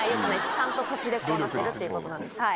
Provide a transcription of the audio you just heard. ちゃんと土地でこうなってるっていうことなんです。